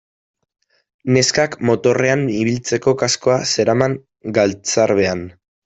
Neskak motorrean ibiltzeko kaskoa zeraman galtzarbean.